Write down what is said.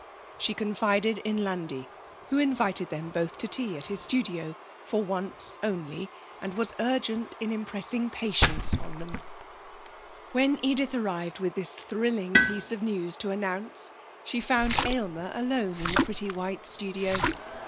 She confided in Landi, who invited them both to tea at his studio for once only and was urgent in impressing patience on them. When Edith arrived with this thrilling piece of news to announce she found Aylmer alone in the pretty white studio.